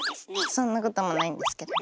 そんなこともないんですけどね。